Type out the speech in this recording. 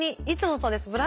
いつもそうです。